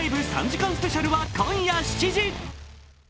３時間スペシャルは今夜７時。